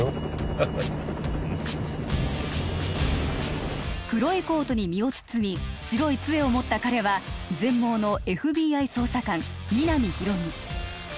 ハッハッハ黒いコートに身を包み白い杖を持った彼は全盲のＦＢＩ捜査官皆実広見